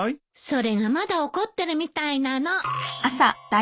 それがまだ怒ってるみたいなの。